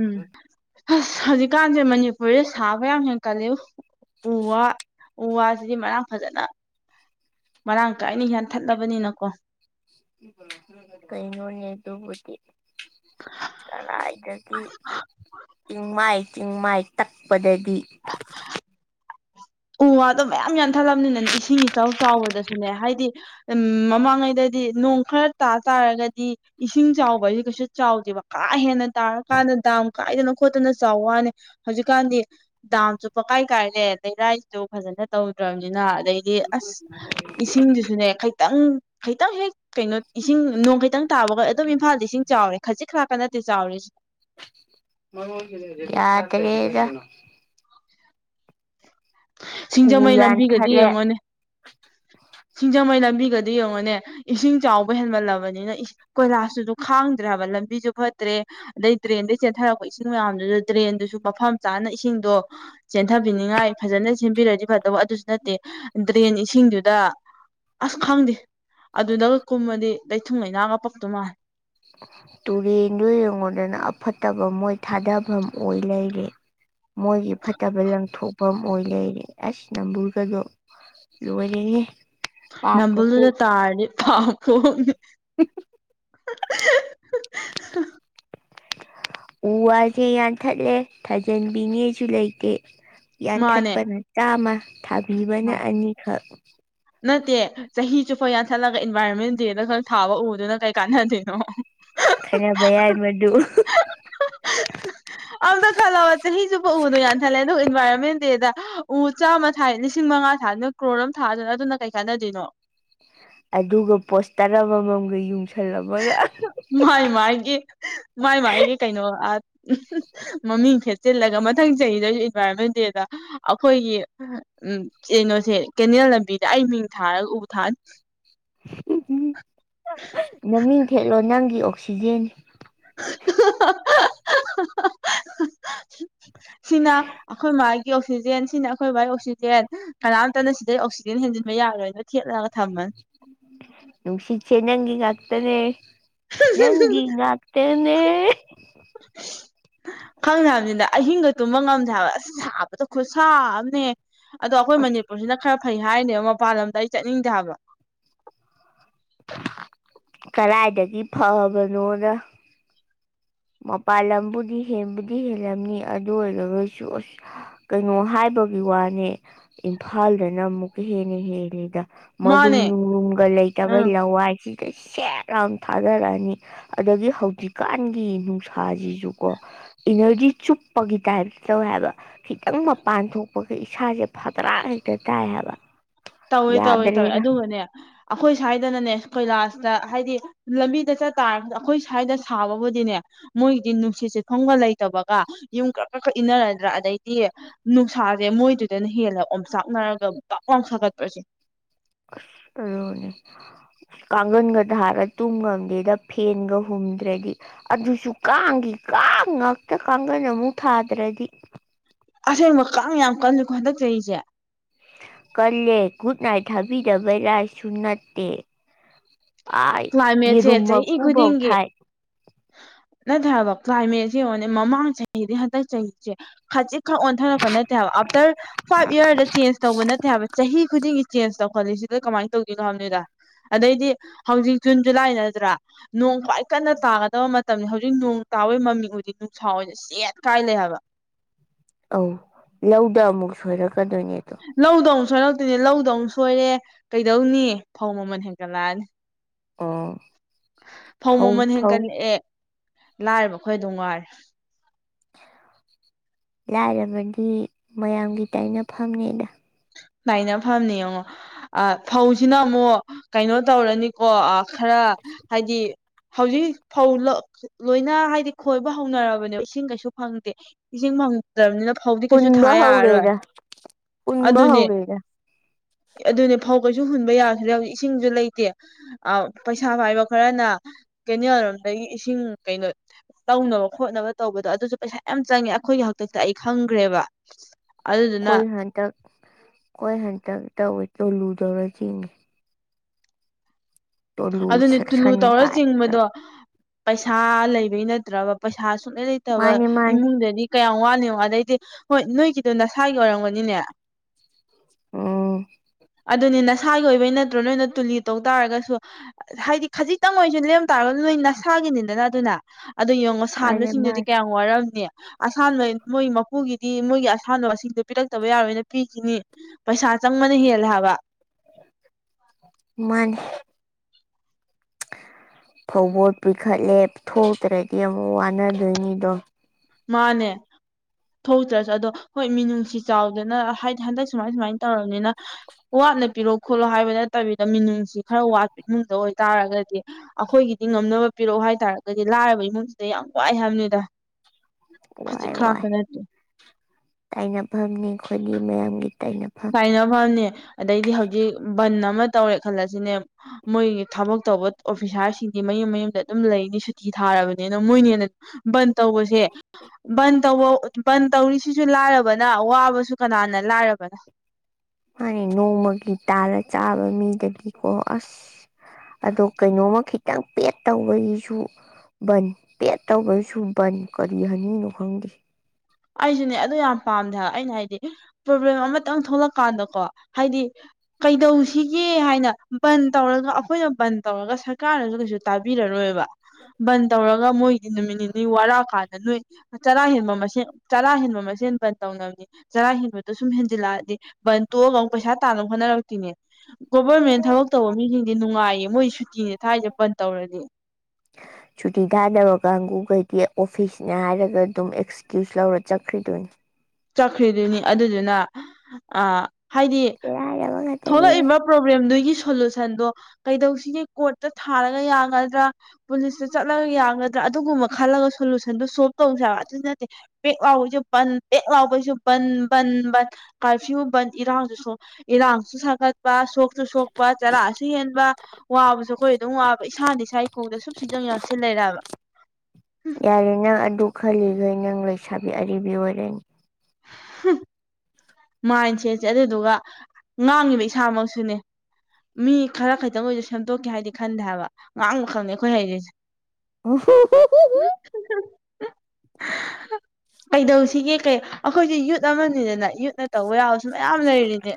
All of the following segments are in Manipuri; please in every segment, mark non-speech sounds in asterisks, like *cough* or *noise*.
ꯎꯝ ꯑꯁ ꯍꯧꯖꯤꯛꯀꯥꯟꯁꯦ ꯃꯅꯤꯄꯨꯔꯁ‌ꯦ ꯁꯥꯕ ꯌꯥꯝ ꯍꯦꯟꯀꯠꯂ‌ꯦꯕꯨ ꯫ ꯎ ꯋꯥ ꯎ ꯋꯥꯁꯤꯗꯤ ꯃꯔꯥꯡ ꯐꯖꯅ ꯃꯔꯥꯡ ꯀꯥꯏꯅ ꯍꯟꯊꯠꯂꯕꯅꯤꯅꯀꯣ ꯫ ꯀꯩ ꯅꯣꯅꯤꯡ‌ꯦ ꯗꯨꯕꯨꯗꯤ ꯫ ꯀꯔꯥꯏꯗꯒꯤ ꯆꯤꯡ ꯃꯥꯏ ꯆꯤꯡ ꯃꯥꯏ ꯇꯛꯄꯗꯗꯤ ꯎ ꯋꯥꯗꯣ ꯃꯌꯥꯝ ꯌꯥꯟꯊꯠꯂꯝꯕꯅꯤꯅꯅꯦ ꯏꯁꯤꯡ ꯏꯆꯥꯎ ꯆꯥꯎꯕꯗꯁꯨꯅꯦ ꯍꯥꯏꯗꯤ ꯎꯝ ꯃꯃꯥꯡꯉꯩꯗꯗꯤ ꯅꯣꯡ ꯈꯔ ꯇꯥ ꯇꯥꯔꯒꯗꯤ ꯏꯁꯤꯡ ꯆꯥꯎꯕ ꯍꯥꯏꯁꯤ ꯀꯩꯁꯨ ꯆꯥꯎꯗꯦꯕ ꯀꯥ ꯍꯦꯟꯅ ꯇꯥꯔꯀꯥꯟꯗ ꯗꯥꯝ ꯀꯥꯏꯗꯅ ꯈꯣꯠꯇꯅ ꯆꯥꯎꯋꯥꯅꯤ ꯫ ꯍꯧꯖꯤꯛꯀꯥꯟꯗꯤ ꯗꯥꯝꯁꯨ ꯄ ꯀꯥꯏ ꯀꯥꯏ ꯂ° ꯂꯩꯔꯥꯏ ꯇꯨ ꯐꯖꯅ ꯇꯧꯗ꯭ꯔꯕꯅꯤꯅ ꯑꯗꯩꯗꯤ ꯑꯁ ꯏꯁꯤꯡꯗꯨꯁꯨꯅꯦ ꯈꯤꯇꯪ ꯈꯤꯇꯪ ꯍꯦꯛ ꯀꯩꯅꯣ ꯏꯁꯤꯡ ꯅꯣꯡꯈꯤꯇꯪ ꯇꯥꯕꯒ ꯑꯗꯨꯝ ꯏꯝꯐꯥꯜꯗꯤ ꯏꯁꯤꯡ ꯆꯥꯎꯔꯦ ꯈꯖꯤꯛ ꯈꯔꯀ ꯅꯠꯇꯦ ꯆꯥꯎꯔꯦ ꯌꯥꯗ꯭ꯔꯦꯗ ꯎ ꯁꯤꯡꯖꯃꯩ ꯂꯝꯕꯤꯒꯗꯤ ꯌꯥꯟꯊꯠꯂꯦ ꯌꯦꯡꯉꯅ° ꯁꯤꯡꯖꯃꯩ ꯂꯝꯕꯤꯒꯗꯤ ꯌꯦꯡꯉꯅꯦ ꯏꯁꯤꯡ ꯆꯥꯎꯕ ꯍꯦꯟꯃꯜꯂꯕꯅꯤꯅ ꯏ ꯀꯣꯏꯂꯥꯁꯁꯤꯁꯨ ꯈꯥꯡꯗ꯭ꯔꯦꯕ ꯍꯥꯏꯕ ꯂꯝꯕꯤꯁꯨ ꯐꯠꯇ꯭ꯔꯦ ꯑꯗꯩ ꯇ꯭ꯔꯦꯟꯗꯩ ꯆꯦꯟꯊꯔꯛꯄ ꯏꯁꯤꯡ ꯃꯌꯥꯝꯗꯨꯁꯨ ꯇ꯭ꯔꯦꯟꯗꯨꯁꯨ ꯃꯐꯝ ꯆꯥꯅ ꯏꯁꯤꯡꯗꯣ ꯆꯦꯟꯊꯕꯤꯅꯤꯡꯉꯥꯏ ꯐꯖꯅ ꯁꯦꯝꯕꯤꯔꯗꯤ ꯐꯗꯧꯕ ꯑꯗꯨꯁꯨ ꯅꯠꯇꯦ ꯗ꯭ꯔꯦꯟ ꯏꯁꯤꯡꯗꯨꯗ ꯑꯁ ꯈꯪꯗꯦ ꯑꯗꯨꯗꯒ ꯀꯨꯝꯃꯗꯤ ꯂꯩꯊꯨꯡ ꯂꯩꯅꯥꯒ ꯄꯛꯇꯨ ꯃꯥꯜꯂꯦ ꯇꯨꯔꯦꯟꯗꯨ ꯌꯦꯡꯉꯣꯗꯅ ꯑꯐꯠꯇꯕ ꯃꯣꯏ ꯊꯥꯗꯐꯝ ꯑꯣꯏ ꯂꯩꯔꯦ ꯃꯣꯏꯒꯤ ꯐꯠꯇꯕ ꯂꯪꯊꯣꯛꯐꯝ ꯑꯣꯏ ꯂꯩꯔꯦ ꯑꯁ ꯅꯝꯕꯨꯔꯒꯗꯣ ꯂꫭꯏꯔ°ꯍ° ꯅꯝꯕꯜꯗꯨꯗ ꯇꯥꯔꯗꯤ ꯄꯥꯞꯀꯣꯛꯅꯤ *inaudible* ꯎ ꯋꯥꯁꯦ ꯌꯥꯟꯊꯠꯂꯦ ꯊꯥꯖꯟꯕꯤꯅꯦꯁꯨ ꯂꯩꯇꯦ ꯃꯥꯅꯦ ꯌꯥꯟꯊꯠꯄꯅ ꯆꯥꯝꯃ ꯃꯥ ꯊꯥꯕꯤꯕꯅ ꯑꯅꯤꯈꯛ ꯅꯠꯇꯦ ꯆꯍꯤ ꯆꯨꯞꯄ ꯌꯥꯟꯊꯠꯂꯒ ꯏꯟꯚꯥꯏꯔꯣꯟꯃꯦꯟ ꯗꯦꯗ ꯈꯛ ꯊꯥꯕ ꯎꯗꯨꯅ ꯀꯩ ꯀꯥꯟꯅꯗꯣꯏꯅꯣ ꯈꯟꯅꯕ ꯌꯥꯏ ꯃꯗꯨ *inaudible* ꯑꯃꯇ ꯈꯜꯂꫭꯕ ꯆꯍꯤ ꯆꯨꯞꯄ ꯎꯗꯣ ꯌꯥꯟꯊꯠꯂꯦ ꯑꯗꯨꯒ ꯏꯟꯚꯥꯏꯔꯣꯟꯃꯦꯟ ꯗꯦꯗ ꯎ ꯆꯥꯝꯃ ꯊꯥꯏ ꯂꯤꯁꯤꯡ ꯃꯉꯥ ꯊꯥ ꯀ꯭ꯔꯣꯔ ꯑꯃ ꯊꯥꯗꯅ ꯑꯗꯨꯅ ꯀꯩ ꯀꯥꯟꯅꯗꯣꯏꯅꯣ ꯑꯗꯨꯒ ꯄꯣꯁꯇꯔ ꯑꯃꯃꯝꯒ ꯌꯨꯡꯁꯜꯂꯝꯃꯒ ꯃꯥꯏ ꯃꯥꯏꯒꯤ ꯃꯥꯏ ꯃꯥꯏꯒꯤ ꯀꯩꯅꯣ ꯃꯃꯤꯡ ꯈꯦꯠꯆꯤꯜꯂꯒ ꯃꯊꯪ ꯆꯍꯤꯗꯁꯨ ꯏꯟꯚꯥꯏꯔꯣꯟꯃꯦꯟ ꯗꯦꯗ ꯑꯩꯈꯣꯏꯒꯤ ꯎ ꯀꯩꯅꯣꯁꯦ ꯀꯦꯅꯦꯜ ꯂꯝꯕꯤꯗ ꯑꯩ ꯃꯤꯡ ꯊꯥꯔꯒ ꯎ ꯊꯥꯅꯤ ꯅꯃꯤꯡ ꯊꯦꯠꯂꯣ ꯅꯪꯒꯤ ꯑꯣꯛꯁꯤꯖꯦꯟ ꯁꯤꯅ ꯑꯩꯈꯣꯏ ꯃꯥꯒꯤ ꯑꯣꯛꯁꯤꯖꯦꯟ ꯁꯤꯅ ꯑꯩꯈꯣꯏ ꯃꯥꯕꯥꯒꯤ ꯑꯣꯛꯁꯤꯖꯦꯟ ꯀꯅꯥꯝꯇꯅ ꯁꯤꯗꯩ ꯑꯣꯛꯁꯤꯖꯦꯟ ꯍꯦꯟꯖꯤꯟꯕ ꯌꯥꯔꯣꯏꯅꯣ ꯊꯦꯠꯂꯒ ꯊꯝꯃꯅꯤ ꯅꯨꯡꯁꯤꯠ ꯁ° ꯅꯪꯒꯤ ꯉꯥꯛꯇꯥꯅꯦ ꯅꯪꯒꯤ ꯉꯥꯡꯇꯥꯅꯦ ꯈꯪꯗ꯭ꯔꯦ ꯍꯥꯏꯕꯅꯤꯅ ꯑꯍꯤꯡꯒ ꯇꯨꯝꯕ ꯉꯝꯗ꯭ꯔꯦ ꯑꯥ ꯍꯥꯏꯕ ꯁꯥꯕꯗ ꯈꯨꯠꯁꯥ ꯑꯃꯅ° ꯍ° ꯑꯗꯣ ꯑꯩꯈꯣꯏ ꯑꯁ ꯃꯅꯤꯄꯨꯔꯁꯤꯅ ꯈꯔ ꯐꯩ ꯍꯥꯏꯔꯤꯅꯦꯕ ꯃꯄꯥꯟ ꯂꯝꯗ ꯑꯩ ꯆꯠꯅꯤꯡꯗꯦ ꯍꯥꯏꯕ ꯀꯗꯥꯏꯗꯒꯤ ꯐꯕꯅꯣꯗꯥ ꯃꯄꯥꯜ ꯂꯝꯕꯨꯗꯤ ꯍꯦꯟꯕꯨꯗꯤ ꯍꯦꯜꯂꯝꯅꯤ ꯑꯗꯨ ꯑꯣꯏꯔꯔꯣꯏꯁꯨ ꯑꯁ ꯀꯩꯅꯣ ꯍꯥꯏꯕꯒꯤ ꯋꯥꯅꯦ ꯏꯝꯐꯥꯜꯗꯅ ꯑꯃꯨꯛꯀ ꯍꯦꯟꯅ ꯍꯦꯜꯂꯤꯗ ꯃꯥꯅꯦ *unintelligible* ꯂꯩꯇꯕ ꯑꯥ ꯂꯋꯥꯁꯤ ꯀꯩ ꯁꯦ ꯔꯥꯎꯟ ꯊꯥꯗꯔꯛꯑꯅꯤ ꯑꯗꯒꯤ ꯍꯧꯖꯤꯛꯀꯥꯟꯒꯤ ꯅꯨꯡꯁꯥꯁꯤꯁꯨ ꯀꯣ ꯏꯅꯔꯖꯤ ꯆꯨꯞꯄꯒꯤ ꯇꯥꯏꯞꯇ ꯇꯧꯋꯦ ꯍꯥꯏꯕ ꯈꯤꯇꯪ ꯃꯄꯥꯟ ꯊꯣꯛꯄꯒ ꯏꯁꯥꯁꯦ ꯐꯗ꯭ꯔꯥ ꯇꯥꯏ ꯍꯥꯏꯕ ꯇꯧꯋꯦ ꯇꯧꯋꯏ ꯇꯧꯋꯦ ꯌꯥꯗ꯭ꯔꯦꯗ ꯑꯗꯨꯒꯅ° ꯑꯩꯈꯣꯏ ꯁ꯭ꯋꯥꯏꯗꯅꯅꯦ ꯀꯣꯏꯂꯥꯁꯇ ꯍꯥꯏꯗꯤ ꯂꯝꯕꯤꯗ ꯆꯠꯇꯥꯔꯒ ꯑꯩꯈꯣꯏ ꯁ꯭ꯋꯥꯏꯗ ꯁꯥꯕꯕꯨꯗꯤꯅꯦ ꯃꯣꯏꯒꯤꯗꯤ ꯅꯨꯡꯁꯤꯠ ꯁꯤꯠꯐꯝ ꯂꯩꯇꯕꯒ ꯌꯨꯝ ꯀꯔꯛ ꯀꯔꯛ ꯀꯔꯛ ꯏꯟꯅꯔꯗ꯭ꯔꯥ ꯑꯗꯩꯗꯤ ꯅꯨꯡꯁꯥꯁꯦ ꯃꯣꯏꯗꯨꯗꯅ ꯍꯦꯜꯂ ꯑꯣꯝꯆꯥꯛꯅꯔꯒ ꯄꯥꯛ ꯂꯥꯎ ꯁꯥꯒꯠꯄꯁꯦ ꯑꯅꯦ *unintelligible* ꯀꯥꯡꯒꯟꯒ ꯊꯥꯔꯒ ꯇꯨꯝꯉꯝꯗꯦꯗ ꯐꯦꯟꯒ ꯍꯨꯝꯗ꯭ꯔꯗꯤ ꯑꯗꯨꯁꯨ ꯀꯥꯡꯒꯤ ꯀꯥꯡ ꯉꯥꯛꯇ ꯀꯥꯡꯒꯟ ꯑꯃꯨꯛ ꯊꯥꯗ꯭ꯔꯗꯤ ꯑꯁꯦꯡꯕ ꯀꯥꯡ ꯌꯥꯝ ꯀꯜꯂꯤꯀꯣ ꯍꯟꯗꯛ ꯆꯍꯤꯁꯦ ꯀꯜꯂꯦ ꯒꯨꯗ ꯅꯥꯏꯠ ꯊꯥꯕꯤꯗꯕꯩꯔꯥꯁꯨ ꯅꯠꯇꯦ ꯑꯏ ꯀ꯭ꯂꯥꯏꯃꯦꯠꯁꯦ ꯌꯦꯔꯨꯝ ꯆꯍꯤ ꯃꯀꯨ ꯐꯥꯎ ꯊꯥꯏ ꯅꯠꯇꯕ ꯀ꯭ꯂꯥꯏꯃꯦꯠꯁꯦ ꯌꯦꯡꯉꯣꯅꯦ ꯃꯃꯥꯡ ꯆꯍꯤꯗꯤ ꯍꯟꯗꯛ ꯆꯍꯤꯁꯦ ꯈꯖꯤꯛ ꯈꯛ ꯑꯣꯟꯊꯔꯛꯄ ꯅꯠꯇꯦ ꯍꯥꯏꯕ ꯑꯥꯞꯇꯔ ꯐꯥꯏꯚ ꯏꯌꯥꯔꯗ ꯆꯦꯟꯖ ꯇꯧꯕ ꯅꯠꯇꯦ ꯍꯥꯏꯕ ꯆꯍꯤ ꯈꯨꯗꯤꯡꯒꯤ ꯆꯦꯟꯖ ꯇꯧꯈꯠꯂꯤꯁꯤꯗ ꯀꯃꯥꯏꯅ ꯇꯧꯗꯣꯏꯅꯣ ꯍꯥꯏꯕꯅꯤꯗ ꯑꯗꯩꯗꯤ ꯍꯧꯖꯤꯛ ꯖꯨꯟ ꯖꯨꯂꯥꯏ ꯅꯠꯇ꯭ꯔꯥ ꯅꯣꯡ ꯈ꯭ꯋꯥꯏ ꯀꯟꯅ ꯇꯥꯒꯗꯕ ꯃꯇꯝꯅꯤ ꯍꯧꯖꯤꯛ ꯅꯣꯡ ꯇꯥꯕꯒꯤ ꯃꯃꯤꯡ ꯎꯗꯤ ꯅꯨꯡꯁꯥ ꯑꯣꯏꯅ ꯆꯦꯠ ꯀꯥꯏꯂꯩ ꯍꯥꯏꯕ ꯑꯧ ꯂꯧꯗ ꯑꯃꯨꯛ ꯁꯣꯏꯔꯛꯀꯗꯣꯏꯅꯦꯗꯣ ꯂꯧꯗꯃꯨꯛ ꯁꯣꯏꯔꯛꯇꯣꯏꯅꯦ ꯂꯧꯗ ꯑꯃꯨꯛ ꯁꯣꯏꯔꯦ ꯀꯩꯗꯧꯅꯤ ꯐꯧ ꯃꯃꯜ ꯍꯦꯟꯀꯠꯂꯛꯑꯅꯤ ꯑꯣ ꯐꯧ ꯃꯃꯜ ꯍꯦꯟꯀꯠꯂꯛꯑꯦ ꯂꯥꯏꯔꯕ ꯑꯩꯈꯣꯏ ꯑꯗꯨꯝ ꯋꯥꯔꯦ ꯂꯥꯏꯔꯕꯗꯤ ꯃꯌꯥꯝꯒꯤ ꯇꯥꯏꯅꯐꯝ ꯅꯦꯗ ꯇꯥꯏꯅꯐꯝꯅꯦ ꯌꯦꯡꯉꯣ ꯑꯥ ꯐꯧꯁꯤꯅ ꯑꯃꯨꯛ ꯀꯩꯅꯣ ꯇꯧꯔꯅꯤ ꯀꯣ ꯑꯥ ꯈꯔ ꯍꯥꯏꯗꯤ ꯍꯧꯖꯤꯛ ꯐꯧ ꯂꯣꯏꯅ ꯍꯥꯏꯗꯤ ꯈꯣꯏꯕ ꯍꯧꯅꯔꯕꯅꯦ ꯏꯁꯤꯡ ꯀꯩꯁꯨ ꯐꯪꯗꯦ ꯏꯁꯤꯡ ꯐꯪꯗ꯭ꯔꯕꯅꯤꯅ ꯐꯧꯗꯤ ꯀꯩꯁꯨ ꯍꯨꯟꯕ ꯊꯥ ꯌꯥꯔꯔꯣꯏ ꯍꯧꯔꯦꯗ ꯍꯨꯟꯕ ꯑꯗꯨꯅꯦ ꯍꯧꯔꯦꯗ ꯑꯗꯨꯅꯦ ꯐꯧ ꯀꯩꯁꯨ ꯍꯨꯟꯕ ꯌꯥꯈꯤ꯭ꯔꯦ ꯍꯧꯖꯤꯛ ꯏꯁꯤꯡꯁꯨ ꯂꯩꯇꯦ ꯑ ꯄꯩꯁꯥ ꯄꯥꯏꯕ ꯈꯔꯅ ꯀꯦꯅꯦꯜꯔꯣꯝꯗꯒꯤ ꯏꯁꯤꯡ ꯀꯩꯅꯣ ꯇꯧꯅꯕ ꯈꯣꯠꯅꯕ ꯇꯧꯕꯗꯣ ꯑꯗꯨꯁꯨ ꯄꯩꯁꯥ ꯌꯥꯝ ꯆꯪꯉꯦ ꯑꯩꯈꯣꯏꯒꯤ ꯍꯥꯛꯇꯛꯇ ꯑꯩ ꯈꯪꯈ꯭ꯔꯦꯕ ꯑꯗꯨꯗꯨꯅ ꯑꯩꯏ ꯍꯟꯇꯛ ꯑꯩꯏ ꯍꯟꯇꯛ ꯇꯧꯋꯦ ꯇꯣꯂꯨꯇꯧꯔ ꯆꯤꯡꯏ ꯇꯣꯂꯨ ꯑꯗꯨꯅꯦ ꯇꯨꯂꯨ ꯁꯦꯛꯁꯟ ꯇꯧꯔ ꯄꯥꯏꯞꯇ ꯆꯤꯡꯕꯗꯣ ꯄꯩꯁꯥ ꯂꯩꯕꯩ ꯅꯠꯇ꯭ꯔꯕ ꯄꯩꯁꯥ ꯁꯨꯡꯂꯩ ꯂꯩꯇꯕ ꯃꯥꯅꯦ ꯃꯥꯅꯦ ꯏꯃꯨꯡꯗꯗꯤ ꯀꯌꯥꯝ ꯋꯥꯅꯤ ꯑꯗꯩꯗꯤ ꯍꯣꯏ ꯅꯣꯏꯒꯤꯗꯣ ꯅꯁꯥꯒꯤ ꯑꯣꯏꯔꯝꯒꯅꯤꯅꯦ ꯎꯝ ꯑꯗꯨꯅꯤ ꯅꯁꯥꯒꯤ ꯑꯣꯏꯕꯩ ꯅꯠꯇ꯭ꯔꯣ ꯅꯣꯏꯅ ꯇꯨꯂꯤ ꯇꯧ ꯇꯥꯔꯒꯁꯨ ꯍꯥꯏꯗꯤ ꯈꯖꯤꯛꯇꯪ ꯑꯣꯏꯁꯨ ꯂꯦꯝ ꯇꯥꯔꯒ ꯅꯣꯏ ꯅꯁꯥꯒꯤꯅꯤꯗꯅ ꯑꯗꯨꯅ ꯑꯗꯨ ꯌꯦꯡꯉꯣ ꯃꯥꯅꯦ ꯁꯥꯟꯕꯁꯤꯡꯗꯨꯗꯤ ꯃꯥꯅꯦ ꯀꯌꯥꯝ ꯋꯥꯔꯝꯅꯤ ꯑꯁꯥꯟꯕ ꯃꯣꯏ ꯃꯄꯨꯒꯤ ꯗꯤ ꯃꯣꯏꯒꯤ ꯑꯁꯥꯟꯕ ꯃꯁꯤꯡꯗꯣ ꯄꯤꯔꯛꯇꯕ ꯌꯥꯔꯣꯏꯅ ꯄꯤꯈꯤꯅꯤ ꯄꯩꯁꯥ ꯆꯪꯕꯅ ꯍꯦꯜꯂꯦ ꯍꯥꯏꯕ ꯃꯥꯅꯤ ꯐꯧꯕꯣꯜ ꯄꯤꯈꯠꯂꯦ ꯊꯣꯛꯇ꯭ꯔꯗꯤ ꯑꯃꯨꯛ ꯋꯥꯅꯗꯣꯏꯅꯤꯗꯣ ꯃꯥꯅꯦ ꯊꯣꯛꯇ꯭ꯔꯁꯨ ꯑꯗꯣ ꯍꯣꯏ ꯃꯤꯅꯨꯡꯁꯤ ꯆꯥꯎꯗꯅ ꯍꯥꯏꯗꯤ ꯍꯟꯗꯛ ꯁꯨꯃꯥꯏ ꯁꯨꯃꯥꯏ ꯇꯧꯔꯕꯅꯤꯅ ꯋꯥꯠꯅ ꯄꯤꯔꯣ ꯈꯣꯠꯂꯣ ꯍꯥꯏꯕ ꯅꯠꯇꯕꯤꯗ ꯃꯤꯅꯨꯡꯁꯤ ꯈꯔ ꯋꯥꯠꯄ ꯏꯃꯨꯡꯗ ꯑꯣꯏꯇꯥꯔꯒꯗꯤ ꯑꯩꯈꯣꯏꯒꯤꯗꯤ ꯉꯝꯅꯕ ꯄꯤꯔꯛꯑꯣ ꯍꯥꯏꯇꯥꯔꯒꯗꯤ ꯂꯥꯏꯔꯕ ꯏꯃꯨꯡꯁꯤꯗ ꯌꯥꯝ ꯋꯥꯏ ꯍꯥꯏꯕꯅꯤꯗ ꯈꯖꯤꯛ ꯋꯥꯏ ꯋꯥꯏ ꯈꯔꯥꯛꯇ ꯅꯠꯇꯦ ꯇꯥꯏꯅꯐꯝꯅꯤ ꯑꯩꯈꯣꯏꯗꯤ ꯃꯌꯥꯝꯒꯤ ꯇꯥꯏꯅꯐꯝ ꯇꯥꯏꯅꯐꯝꯅꯦ ꯑꯗꯩꯗꯤ ꯍꯧꯖꯤꯛ ꯕꯟ ꯑꯃ ꯇꯧꯔꯦ ꯈꯜꯂꯁꯤꯅꯦ ꯃꯣꯏꯒꯤ ꯊꯕꯛ ꯇꯧꯕ ꯑꯣꯐꯤꯁꯥꯔꯁꯤꯡꯗꯤ ꯃꯌꯨꯝ ꯃꯌꯨꯝꯗ ꯑꯗꯨꯝ ꯂꯩꯅꯤ ꯁꯨꯇꯤ ꯊꯥꯔꯕꯅꯤꯅ ꯃꯣꯏꯅ ꯍꯦꯟꯅ ꯕꯟ ꯇꯧꯕꯁꯦ ꯕꯟ ꯇꯧꯕ ꯄꯟ ꯇꯧꯔꯤꯁꯤꯁꯨ ꯂꯥꯏꯔꯕꯅ ꯑꯋꯥꯕꯁꯨ ꯀꯅꯥꯅ ꯂꯥꯏꯔꯕꯅ ꯃꯥꯅꯦ ꯅꯣꯡꯃꯒꯤ ꯇꯥꯜꯂ ꯆꯥꯕ ꯃꯤꯗꯒꯤꯀꯣ ꯑꯁ ꯑꯗꯣ ꯀꯩꯅꯣꯝꯃ ꯈꯤꯇꯪ ꯄꯦꯠ ꯇꯧꯕꯒꯤꯁꯨ ꯕꯟ ꯄꯦꯠ ꯇꯧꯕꯁꯨ ꯕꯟ ꯀꯔꯤ ꯍꯥꯏꯅꯤꯡꯏꯅꯣ ꯈꯪꯗꯦ ꯑꯩꯖꯨꯅꯦ ꯑꯗꯨ ꯌꯥꯝ ꯄꯥꯝꯗꯦ ꯍꯥꯏ ꯑꯩꯅ ꯍꯥꯏꯗꯤ ꯄ꯭ꯔꯣꯕ꯭ꯂꯦꯝ ꯑꯃꯇꯪ ꯊꯣꯛꯂꯛꯀꯥꯟꯗꯀꯣ ꯍꯥꯏꯗꯤ ꯀꯩꯗꯧꯁꯤꯒꯦ ꯍꯥꯏꯅ ꯕꯟ ꯇꯧꯔꯒ ꯑꯈꯣꯏꯅ ꯕꯟ ꯇꯧꯔꯒ ꯁꯛ ꯀꯥꯔꯁꯨ ꯀꯩꯁꯨ ꯇꯥꯕꯤꯔꯔꯣꯏꯕ ꯕꯟ ꯇꯧꯔ ꯄꯨꯔꯥ ꯃꯣꯏꯗꯤ ꯅꯨꯃꯤꯠ ꯅꯤꯅꯤ ꯋꯥꯔꯥ ꯀꯥꯟꯗ ꯅꯣꯏ ꯆꯔꯥ ꯍꯦꯟꯕ ꯃꯁꯦꯟ ꯆꯔꯥ ꯍꯦꯟꯕ ꯃꯁꯦꯟ ꯕꯟ ꯇꯧꯅꯕꯅꯤ ꯆꯔꯥ ꯍꯦꯟꯕꯗꯣ ꯁꯨꯝ ꯍꯦꯟꯖꯤꯜꯂꯛꯑꯗꯤ ꯕꯟ ꯇꯣꯛꯑꯒ ꯑꯃꯨꯛ ꯄꯩꯁꯥ ꯇꯥꯟꯅꯕ ꯍꯣꯠꯅꯔꯛ ꯗꯨꯅꯦ ꯒꯣꯕꯔꯃꯦꯟ ꯊꯕꯛ ꯇꯧꯕ ꯃꯤꯁꯤꯡꯗꯤ ꯅꯨꯡꯉꯥꯏꯌꯦ ꯃꯣꯏ ꯁꯨꯇꯤꯅꯦ ꯊꯥꯏꯁꯦ ꯕꯟ ꯇꯧꯔꯗꯤ ꯁꯨꯇꯤ ꯊꯥꯗꯕ ꯀꯥꯡꯒꯨꯒꯩꯗꯤ ꯑꯣꯐꯤꯁꯅꯦ ꯍꯥꯏꯔꯒ ꯗꯨꯝ ꯑꯦꯛꯁꯀꯌꯨꯁ ꯂꯧꯔ ꯆꯠꯈ꯭ꯔꯤꯗꯨꯅꯤ ꯆꯠꯈ꯭ꯔꯤꯗꯨꯅꯤ ꯑꯗꯨꯗꯨꯅ ꯑ ꯍꯥꯏꯗꯤ ꯏꯔꯥꯏꯔꯕ ꯉꯥꯛꯇꯅꯦꯃꯤ ꯊꯣꯛꯂꯛꯏꯕ ꯄ꯭ꯔꯣꯕ꯭ꯂꯦꯝꯗꯨꯒꯤ ꯁꯣꯂꯨꯁꯟꯗꯣ ꯀꯩꯗꯧꯁꯤꯒꯦ ꯀꯣꯔꯠꯇ ꯊꯥꯔꯒ ꯌꯥꯒꯗ꯭ꯔꯥ ꯄꯨꯂꯤꯁꯇ ꯆꯠꯂꯒ ꯌꯥꯒꯗ꯭ꯔꯥ ꯑꯗꯨꯒꯨꯝꯕ ꯈꯜꯂꯒ ꯁꯣꯂꯨꯁꯟꯗꯨ ꯁꯣꯜꯕ ꯇꯧꯁꯦ ꯍꯥꯏꯕ ꯑꯗꯨ ꯅꯠꯇꯦ ꯄꯦꯛ ꯂꯥꯎꯕꯩꯖꯨ ꯕꯟ ꯄꯦꯛ ꯂꯥꯎꯕꯖꯨ ꯕꯟ ꯕꯟ ꯕꯟ ꯀꯔꯐꯤꯌꯨ ꯕꯟ ꯏꯔꯥꯡꯁꯣ ꯏꯔꯥꯡ ꯁꯨ ꯁꯥꯒꯠꯄ ꯁꯣꯛꯁꯨ ꯁꯣꯛꯄ ꯆꯔꯥꯁꯨ ꯍꯦꯟꯕ ꯋꯥꯕꯁꯨ ꯈꯣꯏ ꯑꯗꯨꯝ ꯋꯥꯕ ꯏꯁꯅ ꯏꯁꯥ ꯀꯣꯡꯗ ꯁꯨꯝ ꯁꯤꯖꯪ ꯌꯥꯟꯁꯤꯜ ꯂꯩꯔꯦꯍꯥꯏꯕ ꯌꯥꯔꯦ ꯅꯪ ꯑꯗꯨ ꯈꯜꯂꯤꯒꯩ ꯅꯪ ꯂꯩꯁꯥꯕꯤ ꯑꯔꯤꯕꯤ ꯑꯣꯏꯔꯅꯤ ꯍꯨꯝ ꯃꯥꯏꯟ ꯁꯦꯠꯁꯦ ꯑꯗꯨꯗꯨꯒ ꯉꯥꯡꯉꯤꯕ ꯏꯁꯥꯃꯛꯁꯨꯅꯤ ꯃꯤ ꯈꯔ ꯈꯇꯪ ꯑꯣꯏꯁꯨ ꯁꯦꯝꯗꯣꯛꯀꯦ ꯍꯥꯏꯗꯤ ꯈꯟꯗꯦ ꯍꯥꯏꯕ ꯉꯥꯡꯕ ꯈꯛꯅꯤ ꯑꯈꯣꯏ ꯍꯩꯔꯤꯁꯤ *unintelligible* ꯀꯩꯗꯣ ꯁꯤꯒꯤ ꯀꯩ ꯑꯩꯈꯣꯏꯁꯦ ꯌꯨꯠ ꯑꯃꯅꯤꯗꯅ ꯌꯨꯠꯅ ꯇꯧꯕ ꯌꯥꯕꯁꯨ ꯃꯌꯥꯝ ꯂꯩꯔꯤꯅꯤ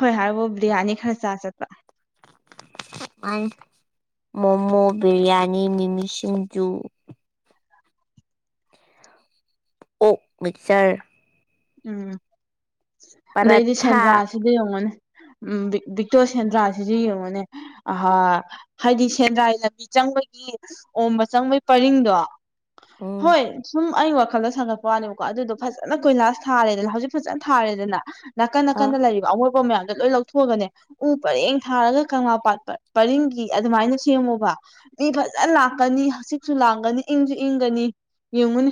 ꯈꯣꯏ ꯍꯥꯏꯕꯕꯨ ꯕꯤꯔꯌꯥꯅꯤ ꯈꯔ ꯆꯥ ꯆꯠꯄ ꯑꯪ ꯃꯣꯃꯣ ꯕꯤꯔꯌꯥꯅꯤ ꯃꯤꯃꯤ ꯁꯤꯡꯖꯨ ꯑꯣꯛ ꯃꯤꯛꯆꯔ ꯎꯝ ꯑꯗꯩꯗꯤ ꯄꯔꯥꯊꯥ ꯁꯦꯟꯗ꯭ꯔꯥꯁꯤꯗ ꯌꯦꯡꯉꯣꯅꯦ ꯎꯝ ꯕꯤꯛ ꯕꯤꯛꯇꯣ ꯁꯦꯟꯗ꯭ꯔꯥꯁꯤꯁꯨ ꯌꯦꯡꯉꯣꯅꯦ ꯑꯍꯥ ꯍꯥꯏꯗꯤ ꯁꯦꯟꯗ꯭ꯔꯥꯏ ꯂꯝꯕꯤ ꯆꯪꯕꯒꯤ ꯑꯣꯝꯕ ꯆꯪꯕꯒꯤ ꯄꯔꯤꯡꯗꯣ ꯎꯝ ꯍꯣꯏ ꯁꯨꯝ ꯑꯩ ꯋꯥꯈꯜꯗ ꯁꯥꯒꯠꯄ ꯋꯥꯅꯦꯕꯀꯣ ꯑꯗꯨꯗꯣ ꯐꯖꯅ ꯀꯣꯏꯂꯥꯁ ꯊꯥꯔꯦꯗꯅ ꯍꯧꯖꯤꯛ ꯐꯖꯅ ꯊꯥꯔꯦꯗꯅ ꯅꯥꯀꯟ ꯑꯥ ꯅꯥꯀꯟꯗ ꯂꯩꯔꯤꯕ ꯑꯃꯣꯠꯄ ꯃꯌꯥꯝꯗꯣ ꯂꯣꯏ ꯂꯧꯊꯣꯛꯑꯒꯅꯦ ꯎ ꯄꯔꯦꯡ ꯊꯥꯔꯒ ꯀꯪꯂꯥꯄꯥꯥꯠ ꯄꯔꯤꯡꯒꯤ ꯑꯗꯨꯃꯥꯏꯅ ꯁꯦꯝꯃꯣꯕ ꯃꯤ ꯐꯖꯅ ꯂꯥꯛꯀꯅꯤ ꯍꯧꯆꯤꯛꯁꯨ ꯂꯥꯡꯒꯅꯤ ꯏꯪꯁꯨ ꯏꯪꯒꯅꯤ ꯌꯦꯡꯉꯨꯅꯤ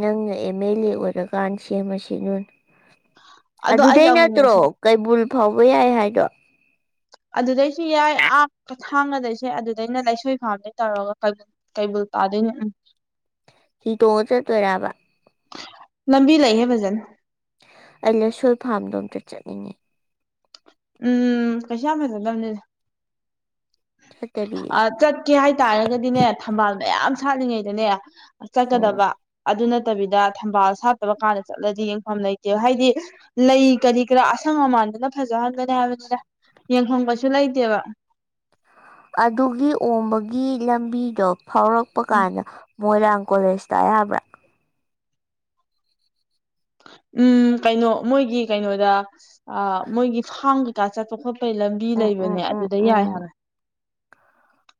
ꯅꯪꯅ ꯑꯦꯝ ꯃꯦ ꯂꯦ ꯑꯣꯏꯔꯀꯥꯟ ꯁꯦꯝꯃꯁꯤꯗꯨꯅ ꯑꯗꯣ ꯑꯗꯨꯗꯩ ꯑꯩꯁꯦ ꯅꯠꯇ꯭ꯔꯣ ꯑꯃꯨꯛꯃꯨꯛꯁꯨ ꯀꯩꯕꯨꯜ ꯐꯥꯎꯕ ꯌꯥꯏ ꯍꯥꯏꯗꯣ ꯑꯗꯨꯗꯩꯁꯨ ꯌꯥꯏ ꯑꯥꯀ ꯊꯥꯡꯒꯗꯩꯁꯨ ꯌꯥꯏ ꯑꯗꯨꯗꯩꯅ ꯂꯥꯏꯁꯣꯏ ꯐꯥꯝꯗꯩ ꯇꯧꯔꯒ ꯀꯩ ꯀꯩꯕꯨꯜ ꯊꯥꯗꯣꯏꯅꯦ ꯎꯝ ꯍꯤ ꯇꯣꯡꯉ ꯆꯠꯇꯣꯏꯔꯕ ꯂꯝꯕꯤ ꯂꯩꯍꯦ ꯐꯖꯟ ꯑꯩ ꯂꯁꯣꯏ ꯐꯥꯝꯗꯣ ꯑꯝꯇ ꯆꯠꯅꯤꯡꯉꯤ ꯎꯝ ꯀꯩꯁꯨ ꯌꯥꯝ ꯐꯖꯗꯕꯅꯤꯗ ꯐꯠꯇꯕꯤ ꯑ ꯆꯠꯀꯦ ꯍꯥꯏꯇꯥꯔꯒꯗꯤꯅꯦ ꯊꯝꯕꯥꯜ ꯃꯌꯥꯝ ꯁꯥꯠꯂꯤꯉꯩꯗꯅꯦ ꯑꯣ ꯆꯠꯀꯗꯕ ꯑꯗꯨ ꯅꯠꯇꯕꯤꯗ ꯊꯝꯕꯥꯜ ꯁꯠꯇꯕ ꯀꯥꯟꯗ ꯆꯠꯂꯗꯤ ꯌꯦꯡꯐꯝ ꯂꯩꯇꯦ ꯍꯥꯏꯗꯤ ꯂꯩ ꯀꯔꯤ ꯀꯔꯥ ꯑꯁꯪ ꯑꯃꯥꯟꯗꯅ ꯐ ꯖꯍꯟꯕꯅꯤ ꯍꯥꯏꯕꯅꯤꯗ ꯌꯦꯡꯐꯝꯒꯁꯨ ꯂꯩꯇꯦꯕ ꯑꯗꯨꯒꯤ ꯑꯣꯝꯕꯒꯤ ꯂꯝꯕꯤꯗꯣ ꯐꯥꯎꯔꯛꯄ ꯀꯥꯟꯗ ꯃꯣꯏꯔꯥꯡ ꯀꯣꯂꯦꯖ ꯇꯥ ꯌꯕ꯭ꯔꯥ ꯎꯝ ꯀꯩꯅꯣ ꯃꯣꯏꯒꯤ ꯀꯩꯅꯣꯗ ꯑ ꯃꯣꯏꯒꯤ ꯐꯥꯝ ꯀꯩꯀꯥ ꯆꯠꯄ ꯈꯣꯠ ꯄꯩ ꯂꯝꯕꯤ ꯎꯝ ꯎꯝ ꯂꯩꯕꯅꯦ ꯎꯝ ꯑꯗꯨꯗ ꯌꯥꯏ ꯎꯝ ꯍꯥꯏꯕꯅ‌ꯦ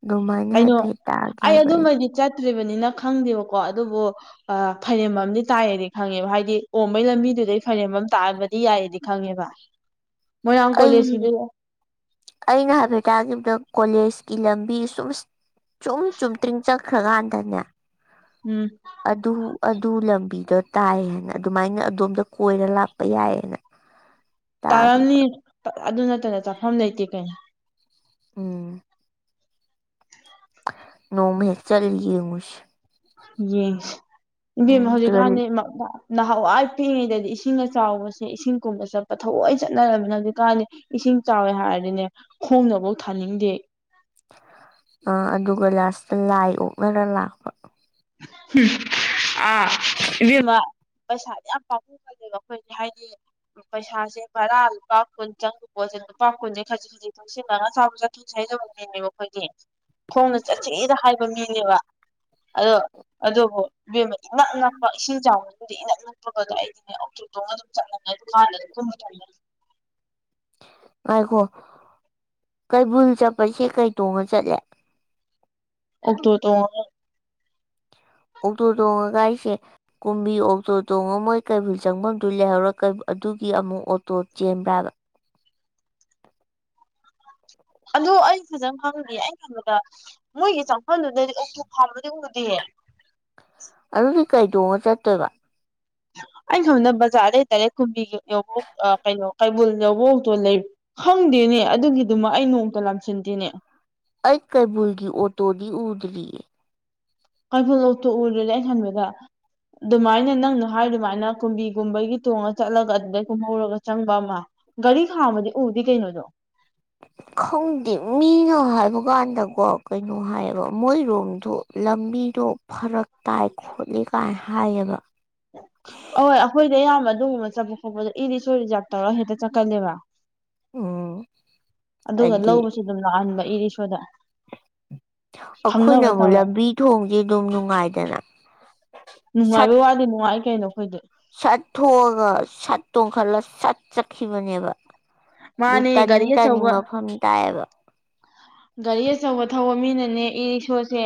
ꯑꯗꯨꯃꯥꯏꯅ ꯍꯥꯏꯐꯦꯠ ꯑꯩ ꯇꯈꯤꯕ ꯑꯩꯁꯨ ꯑꯗꯨꯃꯗꯤ ꯆꯠꯇ꯭ꯔꯤꯕꯅꯤꯅ ꯈꯪꯗꯦꯕꯀꯣ ꯑꯗꯨꯕꯨ ꯑ ꯐꯥꯏꯔꯦꯝꯕꯝꯗꯤ ꯇꯥꯏꯌꯦꯗꯤ ꯈꯪꯉꯦꯕ ꯍꯥꯏꯗꯤ ꯑꯣꯝꯕꯩ ꯂꯝꯕꯤꯗꯨꯗꯩ ꯐꯥꯏꯔꯦꯝꯕꯝ ꯇꯥꯕꯗꯤ ꯌꯥꯏꯗꯤ ꯈꯪꯉꯦꯕ ꯃꯣꯏꯔꯥꯡ ꯀꯣꯂꯦꯖꯀꯤꯗꯤ ꯑꯩ ꯑꯩꯅ ꯍꯥꯏꯐꯦꯠ ꯇꯒꯤꯕꯗ ꯀꯣꯂꯦꯖꯀꯤ ꯂꯝꯕꯤ ꯁꯨꯝ ꯁꯨꯝ ꯆꯨꯝꯇ꯭ꯔꯤꯡ ꯆꯠꯈ꯭ꯔꯀꯥꯟꯗꯅꯦ ꯎꯝ ꯑꯗꯨ ꯑꯗꯨ ꯂꯝꯕꯤꯗ‌ꯣ ꯇꯥꯏꯌꯦꯅ ꯑꯗꯨꯃꯥꯏꯅ ꯑꯗꯣꯝꯗ ꯀꯣꯏꯔ ꯂꯥꯛꯄ ꯌꯥꯏꯌꯦꯅ ꯇꯥꯈꯤꯕ ꯇꯥꯔꯝꯅꯤ ꯑꯗꯨ ꯅꯠꯇꯅ ꯆꯠꯐꯝ ꯂꯩꯇꯦ ꯀꯩꯅꯣ ꯎꯝ ꯅꯣꯡꯃ ꯍꯦꯛ ꯆꯠꯂ ꯌꯦꯡꯉꯨꯁꯤ ꯌꯦꯡꯁꯤ ꯏꯕꯦꯝꯃ ꯎꯝ ꯍꯧꯖꯤꯛꯀꯥꯟꯗꯤ ꯅꯍꯥꯟꯋꯥꯏ ꯄꯤꯛꯏꯉꯩꯗꯗꯤ ꯏꯁꯤꯡꯒ ꯆꯥꯎꯕꯁꯦ ꯏꯁꯤꯡꯀꯨꯝꯕ ꯆꯠꯄ ꯊꯑꯣꯏ ꯆꯠꯅꯔꯝꯃꯤ ꯍꯧꯖꯤꯛꯀꯥꯟꯗꯤ ꯏꯁꯤꯡ ꯆꯥꯎꯋꯦ ꯍꯥꯏꯔꯗꯤꯅꯦ ꯈꯣꯡꯅꯕꯛ ꯊꯥꯅꯤꯡꯗꯦ ꯑꯩ *inaudible* ꯑ ꯑꯗꯨꯒ ꯂꯥꯁꯇ ꯂꯥꯏ ꯑꯣꯛꯅꯔ ꯂꯥꯛꯄ ꯍꯨꯝ ꯑꯥ ꯏꯕꯦꯝꯃ ꯄꯩꯁꯥꯗꯤ ꯌꯥꯝ ꯄꯥꯝꯃꯨꯕꯅꯦꯕ ꯑꯩꯈꯣꯏꯗꯤ ꯍꯥꯏꯗꯤ ꯄꯩꯁꯥꯁꯦ ꯚꯔꯥ ꯂꯨꯄꯥ ꯀꯨꯟ ꯆꯪꯕ ꯄꯣꯠꯁꯦ ꯂꯨꯄꯥ ꯀꯨꯟꯁꯦ ꯈꯖꯤꯛ ꯈꯖꯤꯛ ꯇꯨꯡꯁꯤꯟꯕꯅ ꯑꯆꯥꯄꯣꯠ ꯆꯥꯊ‌ꯣꯛꯖ‌ꯦ ꯍꯥꯏꯖꯕ ꯃꯤꯅ‌ꯦꯕ ꯈꯣꯏꯗꯤ ꯈꯣꯡꯅ ꯆꯠꯁꯤꯗ ꯍꯥꯏꯕ ꯃꯤꯅꯦꯕ ꯑꯗꯣ ꯑꯗꯨꯕꯨ ꯏꯕꯦꯝꯃ ꯏꯅꯛ ꯅꯛꯄ ꯏꯁꯤꯡ ꯆꯥꯎꯕꯗꯨꯗꯤ ꯏꯅꯛ ꯅꯛ ꯄꯒꯗ‌ꯣ ꯑꯩꯗꯤꯅꯦ ꯑꯣꯛꯇꯣ ꯇꯣꯡꯉ ꯑꯗꯨꯝ ꯆꯠꯂꯕꯅꯦ ꯑꯗꯨ ꯂꯥꯜꯂ ꯀꯨꯝꯕ ꯇꯟꯕꯩ ꯉꯥꯏꯈꯣ ꯀꯩꯕꯨꯜ ꯆꯠꯄꯁꯦ ꯀꯩ ꯇꯣꯡꯉ ꯆꯠꯂꯤ ꯑꯣꯛꯇꯣ ꯇꯣꯡꯉꯒ ꯑꯣꯛꯇꯣ ꯇꯣꯡꯉꯒ ꯍꯥꯏꯁꯦ ꯀꯨꯝꯕꯤ ꯑꯣꯛꯇꯣ ꯇꯣꯡꯉ ꯃꯣꯏ ꯀꯩꯕꯨꯜ ꯆꯪꯐꯝꯗꯨ ꯂꯩꯍꯧꯔꯒ ꯑꯗꯨꯒꯤ ꯑꯃꯨꯛ ꯑꯣꯛꯇꯣ ꯆꯦꯟꯕ꯭ꯔꯥꯕ ꯑꯗꯨ ꯑꯩ ꯐꯖꯅ ꯈꯪꯗꯤꯌꯦ ꯑꯩ ꯈꯟꯕꯗ ꯃꯣꯏꯒꯤ ꯆꯪꯐꯝꯗꯨꯗꯗꯤ ꯑꯣꯛꯇꯣ ꯈꯥꯝꯕꯗꯤ ꯎꯗꯤꯌꯦ ꯑꯗꯨꯗꯤ ꯀꯩ ꯇꯣꯡꯉ ꯆꯠꯇꯣꯏꯕ ꯑꯩꯩꯅ ꯈꯟꯕꯗ ꯕꯖꯥꯔꯗꯩ ꯗꯥꯏꯔꯦꯛ ꯀꯨꯝꯕꯤꯒꯤ ꯌꯧꯕꯛ ꯑ ꯀꯩꯅꯣ ꯀꯩꯕꯨꯜ ꯌꯧꯕꯛ ꯑꯣꯛꯇꯣ ꯂꯩ ꯈꯪꯗꯦꯅꯦ ꯑꯗꯨꯒꯤꯗꯨꯃ ꯑꯩ ꯅꯣꯡꯃꯇ ꯂꯥꯝꯁꯤꯟꯂꯨꯗ‌ꯦꯅꯦ ꯑꯩ ꯀꯩꯕꯨꯜꯒꯤ ꯑꯣꯇꯣꯗꯤ ꯎꯗ꯭ꯔꯤꯌꯦ ꯀꯩꯕꯨꯜ ꯑꯣꯛꯇꯣ ꯎꯔꯗꯤ ꯑꯩ ꯈꯟꯕꯗ ꯑꯗꯨꯃꯥꯏꯅ ꯅꯪꯅ ꯍꯥꯏꯕ ꯑꯗꯨꯃꯥꯏꯅ ꯀꯨꯝꯕꯤꯒꯨꯝꯕꯒꯤ ꯇꯣꯡꯉ ꯆꯠꯂꯒ ꯑꯗꯨꯗꯩ ꯀꯨꯝꯍꯧꯔꯒ ꯆꯪꯕ ꯑꯃ ꯒꯥꯔꯤ ꯈꯥꯝꯕꯗꯤ ꯎꯗ‌ꯦ ꯀꯩꯅꯣ ꯑꯗꯣ *inaudible* ꯈꯪꯗꯦ ꯃꯤꯅ ꯍꯥꯏꯕꯀꯥꯟꯗꯀꯣ ꯀꯩꯅꯣ ꯍꯥꯏꯌꯦꯕ ꯃꯣꯏꯔꯣꯝꯗꯣ ꯂꯝꯕꯤꯗꯣ ꯐꯔꯛ ꯇꯥꯏ ꯈꯣꯠꯂꯤ ꯀꯥꯏꯅ ꯍꯥꯏꯌꯦꯕ ꯑꯧ ꯑꯩꯈꯣꯏꯗꯤ ꯑꯌꯥꯝꯕ ꯑꯗꯨꯒꯨꯝꯕ ꯆꯠꯄ ꯈꯣꯠꯄꯗꯣ ꯏ-ꯔꯤꯛꯁꯣ ꯔꯤꯖꯥꯕ ꯇꯧꯔꯒ ꯍꯦꯛꯇ ꯆꯠꯀꯜꯂ‌ꯦꯕ ꯑꯣ ꯑꯗꯨꯒ ꯂꯧꯕꯁꯨ ꯑꯗꯨꯝ ꯂꯥꯛꯍꯟꯕ ꯏ ꯔꯤꯛꯁꯣꯗ ꯑꯩꯈꯣꯏꯅ ꯈꯪꯅꯕ ꯑꯃꯨꯛ ꯇꯧꯔ ꯂꯝꯕꯤ ꯊꯣꯡꯖꯦ ꯑꯗꯨꯝ ꯅꯨꯡꯉꯥꯏꯗꯅ ꯁꯠ ꯅꯨꯡꯉꯥꯏꯕꯩ ꯋꯥꯗꯤ ꯅꯨꯡꯉꯥꯏ ꯀꯩꯅꯣ ꯑꯩꯈꯣꯏꯗꯤ ꯁꯠ ꯊꯣꯛꯑꯒ ꯁꯠ ꯇꯣꯡꯈꯠꯂ ꯁꯠ ꯆꯠꯈꯤꯕꯅꯦꯕ ꯗꯨ ꯃꯥꯅꯦ ꯇꯥꯅꯤꯡ ꯒꯥꯔꯤ ꯇꯥꯅꯤꯡ ꯑꯆꯧꯕ ꯃꯐꯝ ꯇꯥꯏꯌꯦꯕ ꯒꯥꯔꯤ ꯑꯆꯧꯕ ꯊꯧꯕ ꯃꯤꯅꯅꯦ ꯏ ꯔꯤꯛꯁꯣꯁꯦ